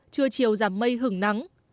trưa chiều giảm mây hứng nắng